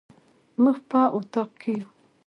موږ په اطاق کي يو